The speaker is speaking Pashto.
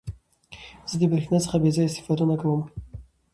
زه د برېښنا څخه بې ځایه استفاده نه کوم.